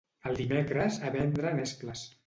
El dimecres, a vendre nesples.